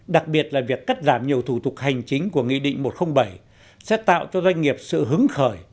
đặc biệt là việc cắt giảm nhiều thủ tục hành chính của nghị định một trăm linh bảy sẽ tạo cho doanh nghiệp sự hứng khởi